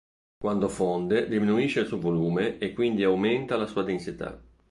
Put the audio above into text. Quando fonde diminuisce il suo volume e quindi aumenta la sua densità.